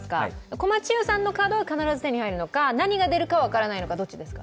小町湯さんのカードは必ず手に入るのか何が出るのか分からないのか、どっちですか？